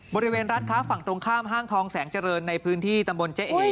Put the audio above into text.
บริเวณร้านค้าฝั่งตรงข้ามห้างทองแสงเจริญในพื้นที่ตำบลเจ๊เอ๋